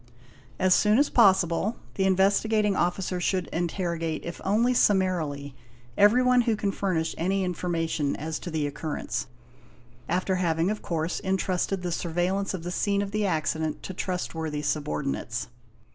As soon as possible, the Investigating Officer should interrogate, if only summarily, everyone who can furnish any information as to the occurrence, after having of course intrusted the surveillance of the scene of the accident to trustworthy subordinates.